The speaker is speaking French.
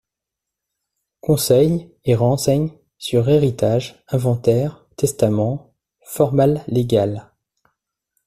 CONSEILS et renseig sur Héritages, Inventaires, testaments, formal légales.